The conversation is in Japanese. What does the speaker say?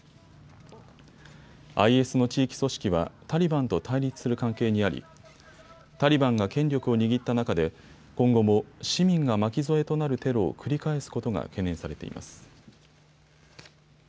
ＩＳの地域組織はタリバンと対立する関係にありタリバンが権力を握った中で今後も市民が巻き添えとなるテロを繰り返すことが懸念されています。